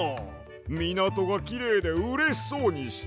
みなとがきれいでうれしそうにしてる！